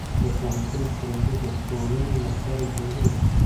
د پوهنتون پروژې د ټولنې لپاره جوړېږي.